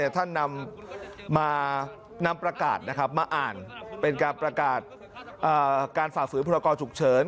ท่านนำประกาศนะครับมาอ่านเป็นการประกาศการฝ่าฝืนพลกรจุกเฉิน